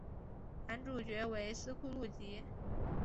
男主角为斯库路吉。